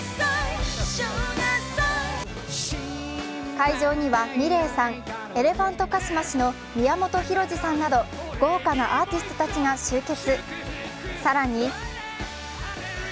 会場にはｍｉｒｅｉさん、エレファントカシマシの宮本浩次さんなど豪華なアーティストたちが集結。